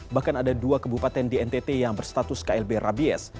bahkan ada dua kebupaten di ntt yang berstatus klb rabies